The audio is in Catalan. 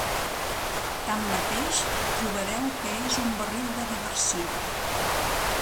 Tanmateix, trobareu que és un barril de diversió.